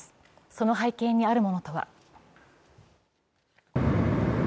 その背景にあるものとは。